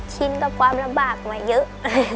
ชินกับความลำบากมาเยอะ